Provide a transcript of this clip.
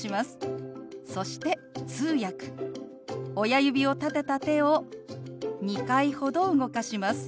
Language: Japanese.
親指を立てた手を２回ほど動かします。